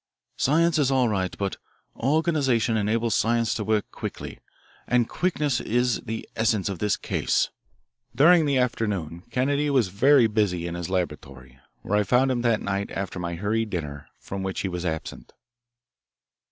"Science is all right, but organisation enables science to work quickly. And quickness is the essence of this case." During the afternoon Kennedy was very busy in his laboratory, where I found him that night after my hurried dinner, from which he was absent.